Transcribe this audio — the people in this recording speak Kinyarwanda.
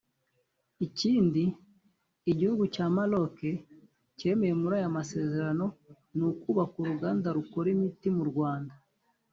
Ikindi igihugu cya Maroc cyemeye muri aya masezerano ni ukubaka uruganda rukora imiti mu Rwanda